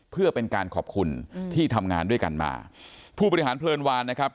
เพื่อเป็นการขอบคุณที่ทำงานด้วยกันมาผู้บริหารเพลินวานนะครับ